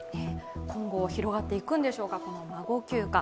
今後、広がっていくんでしょうか孫休暇。